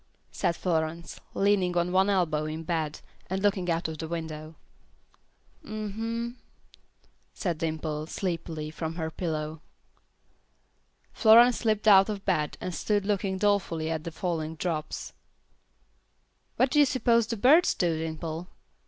said Florence, leaning on one elbow in bed, and looking out of the window. "Hm, hm," said Dimple, sleepily, from her pillow. Florence slipped out of bed and stood looking dolefully at the falling drops. "What do you suppose the birds do, Dimple?"